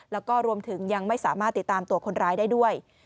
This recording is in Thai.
แล้วก็รวมถึงยังไม่สามารถติดตามตัวคนร้ายได้ด้วย